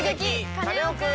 カネオくん」。